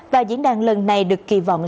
và diễn đàn lần này được kỳ vọng